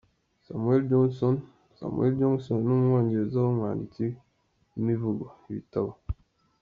Samuel Johnson: Samuel Johnson ni Umwongereza w’umwanditsi w’imivugo, ibitabo.